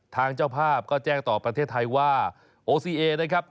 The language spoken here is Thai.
เจ้าภาพก็แจ้งต่อประเทศไทยว่าโอซีเอนะครับ